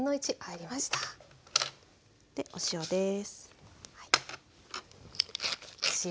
でお塩です。